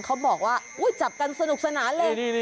เขาบอกว่าจับกันสนุกสนานเลย